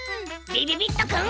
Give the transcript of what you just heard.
びびびっとくん。